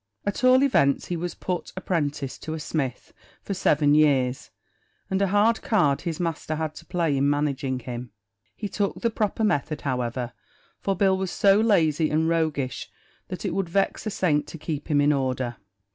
At all events, he was put apprentice to a smith for seven years, and a hard card his master had to play in managing him. He took the proper method, however, for Bill was so lazy and roguish that it would vex a saint to keep him in order.